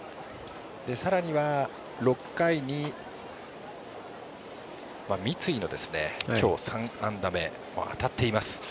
さらには６回に三井の今日３安打目もう当たっています。